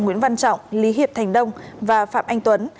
nguyễn văn trọng lý hiệp thành đông và phạm anh tuấn